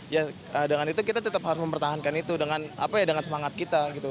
ya dengan itu kita tetap harus mempertahankan itu dengan semangat kita gitu